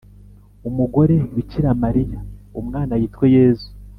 umugore bikira mariya, umwana yitwe yezu